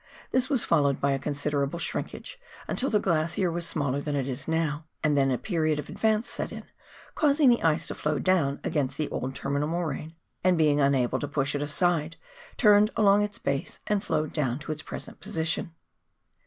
This was followed by a considerable shrinkage, until the glacier was smaller than it now is, and then a period of advance set in, causing the ice to flow down against the old terminal moraine, and being unable to push it aside turned along its base and flowed down to its present position.